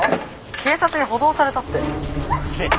警察に補導されたって。